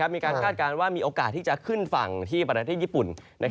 มีการกล้าดการณ์ว่ามีโอกาสที่จะขึ้นฝั่งที่ประณะที่ญี่ปุ่น